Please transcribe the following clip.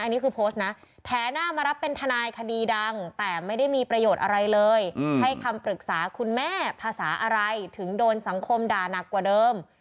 อันนี้คือโพสต์นะแถหน้ามารับเป็นทนายคดีดังแต่ไม่ได้มีประโยชน์อะไรเลยให้คำปรึกษาคุณแม่ภาษาอะไรถึงโดนสังคมด่านักกว่าเดิม